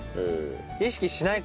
意識しない事。